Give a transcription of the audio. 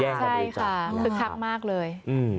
ใช่ค่ะคึกคักมากเลย